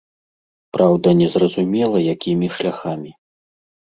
Праўда, незразумела, якімі шляхамі.